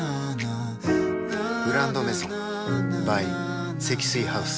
「グランドメゾン」ｂｙ 積水ハウス